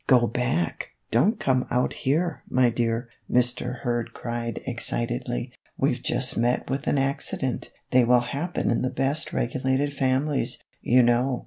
" Go back, don't come out here, my dear," Mr. Kurd cried excitedly, " we 've just met with an accident; they will happen in the best regulated families, you know."